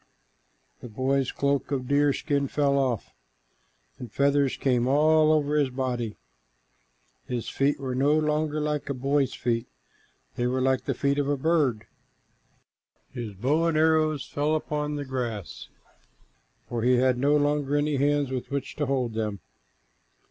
'" The boy's cloak of deerskin fell off, and feathers came out all over his body. His feet were no longer like a boy's feet, they were like the feet of a bird. His bow and arrows fell upon the grass, for he had no longer any hands with which to hold them.